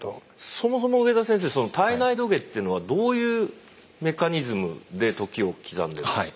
そもそも上田先生その体内時計っていうのはどういうメカニズムで時を刻んでるんですか？